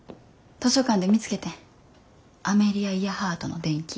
図書館で見つけてんアメリア・イヤハートの伝記。